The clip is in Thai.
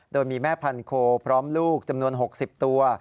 โดยมีแม่พันโคพร้อมลูกจำนวน๖๐ตัว